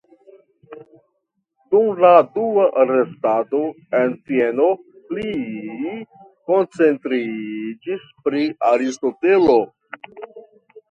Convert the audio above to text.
Dum la dua restado en Vieno li koncentriĝis pri Aristotelo.